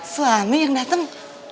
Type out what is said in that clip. suami yang dateng